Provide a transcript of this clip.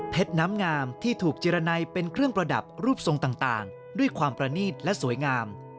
น้ำงามที่ถูกจิรณัยเป็นเครื่องประดับรูปทรงต่างด้วยความประนีตและสวยงาม